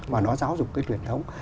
và nó giáo dục cái truyền thống